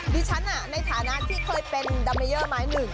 ดิฉันในฐานะที่เคยเป็นดัมเมเยอร์ไม้หนึ่ง